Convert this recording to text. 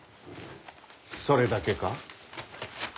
それだけか？